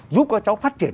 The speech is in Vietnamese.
giúp các cháu phát triển